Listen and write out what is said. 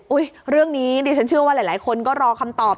เรื่องนี้ดิฉันเชื่อว่าหลายคนก็รอคำตอบ